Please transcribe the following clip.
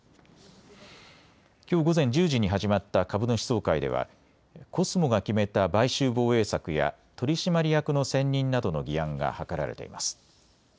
きょう午前１０時に始まった株主総会ではコスモが決めた買収防衛策や取締役の選任などの議案が諮られています。